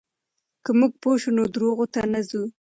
که موږ پوه شو، نو درواغو ته نه ځو.